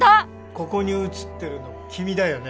ここに写ってるの君だよね？